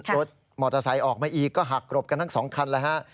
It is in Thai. รถมอเตอร์ไซค์ออกมาอีกก็หักหลบกันทั้งสองคันแล้วฮะ